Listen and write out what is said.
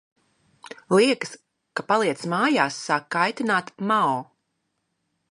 Liekas, ka paliecmājās sāk kaitināt Mao.